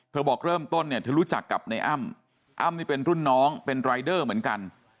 บอกเริ่มต้นเนี่ยเธอรู้จักกับในอ้ำอ้ำนี่เป็นรุ่นน้องเป็นรายเดอร์เหมือนกัน